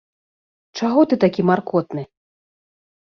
Чаго ты такі маркотны?